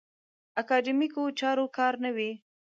اکاډیمیکو چارو کار نه وي.